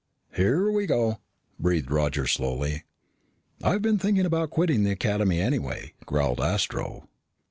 "Here we go!" breathed Roger slowly. "I've been thinking about quitting the Academy, anyway," growled Astro.